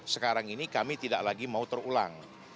sekarang ini kami tidak lagi mau terulang